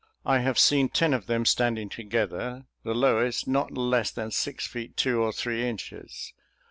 I have seen ten of them standing together, the lowest not less than six feet two or three inches.